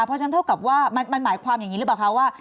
เพราะฉะนั้นเท่ากับว่ามันหมายความอย่างนี้หรือเปล่าคะว่า